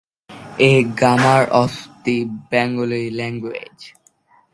এর জন্য উন্নতমানের কাগজ ও কালি আমদানি ক’রে নিয়ে আসা হয়েছিল ব্রিটেন থেকে।